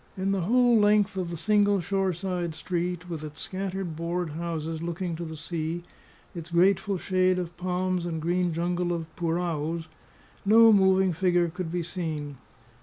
In the whole length of the single shoreside street, with its scattered board houses looking to the sea, its grateful shade of palms and green jungle of puraos, no moving figure could be seen.